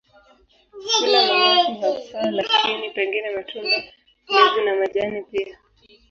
Hula manyasi hasa lakini pengine matunda, mbegu na majani pia.